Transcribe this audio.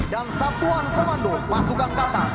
dan satuan komando pasukan angkatan